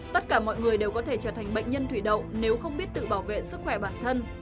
tất cả mọi người đều có thể trở thành bệnh nhân thủy đậu nếu không biết tự bảo vệ sức khỏe bản thân